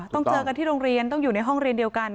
เจอกันที่โรงเรียนต้องอยู่ในห้องเรียนเดียวกัน